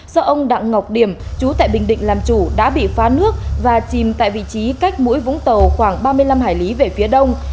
do ông đặng ngọc điểm chú tại bình định làm chủ đã bị phá nước và chìm tại vị trí cách mũi vũng tàu khoảng ba mươi năm hải lý về phía đông